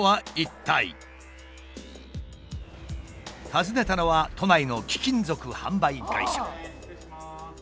訪ねたのは都内の貴金属販売会社。